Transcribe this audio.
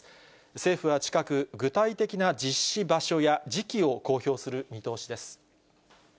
政府は近く、具体的な実施場所や時期を公表する見通しです。